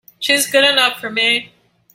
She's good enough for me!